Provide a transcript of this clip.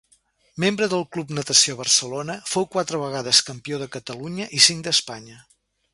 Membre del Club Natació Barcelona, fou quatre vegades campió de Catalunya i cinc d'Espanya.